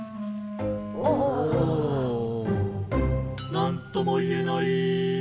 「何とも言えない」